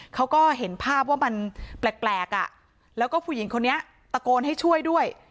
เขาก็เห็นภาพว่ามันแปลกอ่ะแล้วก็ผู้หญิงคนนี้ตะโกนให้ช่วยด้วย